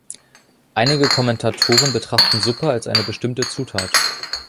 Einige Kommentatoren betrachten Suppe als eine bestimmende Zutat.